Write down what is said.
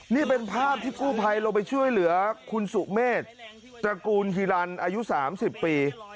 นี่เป็นภาพที่กู้ภัยเราไปช่วยเหลือคุณสุเมฆจกูลฮีลันด์อายุสามสิบปี